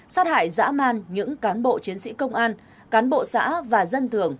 sát hại dã man những cán bộ chiến sĩ công an cán bộ xã và dân thường